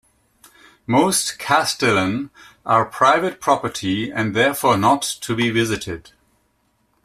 Most "kastelen" are private property and therefore not to be visited.